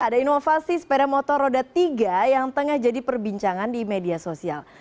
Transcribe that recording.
ada inovasi sepeda motor roda tiga yang tengah jadi perbincangan di media sosial